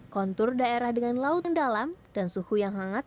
kontur daerah dengan laut mendalam dan suhu yang hangat